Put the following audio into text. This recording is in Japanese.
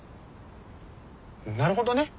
なるほどね。